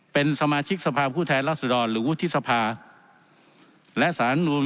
เป็นสมาชิกสภาพผู้แทนรัศดรหรือวุฒิสภาและสารรัฐมนูล